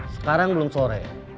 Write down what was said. sekarang belum sore